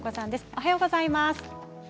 おはようございます。